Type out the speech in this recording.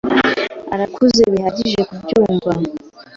Arakuze bihagije kubyumva.